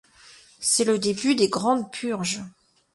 C'est le début des Grandes Purges.